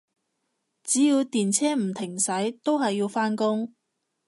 只要電車唔停駛，都係要返工